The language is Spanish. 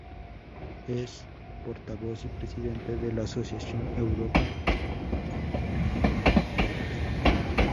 Es portavoz y presidente de la asociación Europa Laica.